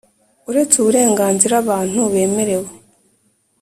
Uretse uburenganzira abantu bemerewe